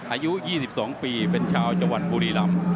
อายุ๒๒ปีเป็นชาวจัวรรณบุรีรัมพ์